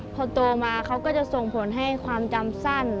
พอโตมาเขาก็จะส่งผลให้ความจำสั้น